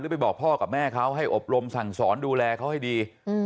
ไปบอกพ่อกับแม่เขาให้อบรมสั่งสอนดูแลเขาให้ดี